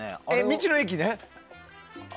道の駅ね。